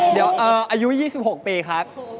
เดี๋ยวอายุ๒๖ปีครับ